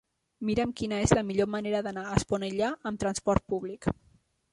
Mira'm quina és la millor manera d'anar a Esponellà amb trasport públic.